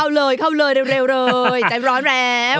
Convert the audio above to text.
เลยเข้าเลยเร็วเลยใจร้อนแล้ว